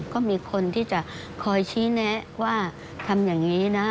ก็มีคนที่จะคอยชี้แนะว่าทำอย่างนี้นะ